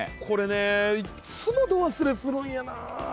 これねいっつも度忘れするんやな。